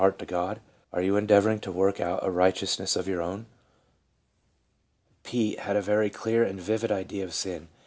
325 to God t Are you endeavoring to work out a righteousness of your own ?" P. had a very clear and vivid idea of sin.